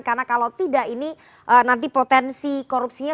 karena kalau tidak ini nanti potensi korupsinya